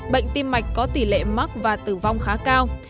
bệnh tim mạch có tỷ lệ mắc và tử vong khá cao